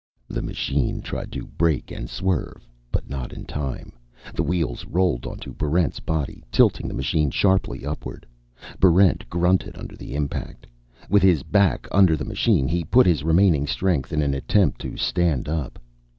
The machine tried to brake and swerve, but not in time. The wheels rolled onto Barrent's body, tilting the machine sharply upward. Barrent grunted under the impact. With his back under the machine, he put his remaining strength in an attempt to stand up.